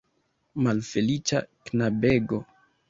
Malfeliĉa knabego!